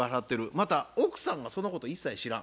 また奥さんがそのことを一切知らん。